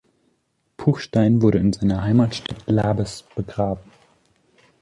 Puchstein wurde in seiner Heimatstadt Labes begraben.